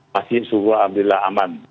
masih suhu amdillah aman